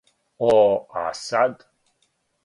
О, а сад?